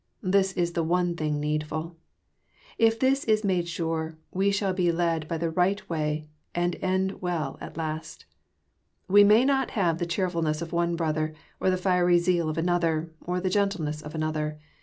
This is the one thing needful. If this is made sure, we shall be led by the right wa}^, and end well at last. We may not have the cheerfulness of one brother, or the fiery zeal of another, or the gentleness of another.